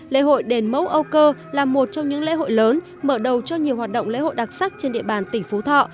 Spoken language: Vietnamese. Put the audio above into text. lễ hội đền mẫu âu cơ là một trong những lễ hội lớn mở đầu cho nhiều hoạt động lễ hội đặc sắc trên địa bàn tỉnh phú thọ